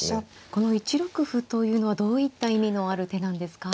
この１六歩というのはどういった意味のある手なんですか。